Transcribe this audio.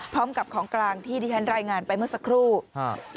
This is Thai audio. พร้อมกับของกลางที่ที่ฉันรายงานไปเมื่อสักครู่ฮะ